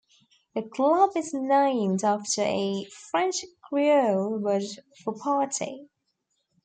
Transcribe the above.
The club is named after a French creole word for 'party'.